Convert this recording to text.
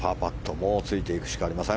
もうついていくしかありません。